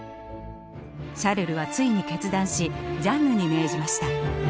シャルルはついに決断しジャンヌに命じました。